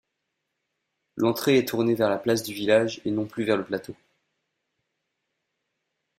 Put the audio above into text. L'entrée est tournée vers la place du village et non plus vers le plateau.